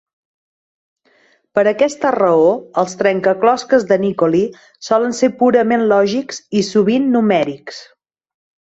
Per aquesta raó, els trencaclosques de Nikoli solen ser purament lògics i sovint numèrics.